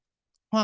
ép tim trước